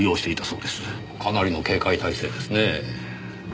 かなりの警戒態勢ですね。